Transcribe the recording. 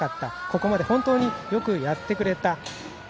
ここまで本当によくやってくれた。